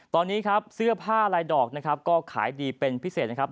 ตอนนี้ครับเสื้อผ้าลายดอกนะครับก็ขายดีเป็นพิเศษนะครับ